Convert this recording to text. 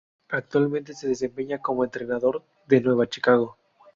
Actualmente se desempeña como entrenador de Nueva Chicago.